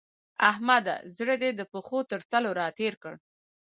احمده! زړه دې د پښو تر تلو راتېر کړ.